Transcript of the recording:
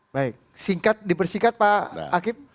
baik singkat dipersingkat pak akip